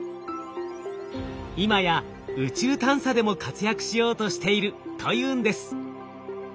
今や宇宙探査でも活躍しようとしているというんです。